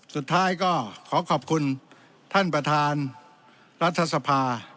สุดท้ายก็ขอขอบคุณท่านประธานรัฐสภา